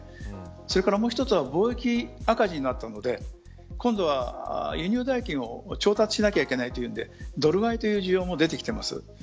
それから、もう一つは貿易赤字になったので今度は輸入代金を調達しなければいけないというのでドル買いの需要も出てきています。